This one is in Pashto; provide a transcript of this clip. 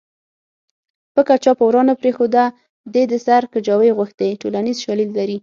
پکه چا په ورا نه پرېښوده دې د سر کجاوې غوښتې ټولنیز شالید لري